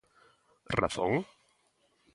Razón?